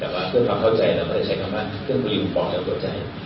เพื่อเข้าใจเราจะใช้คำว่าเครื่องกลิ่นปลอดจากตัวใจ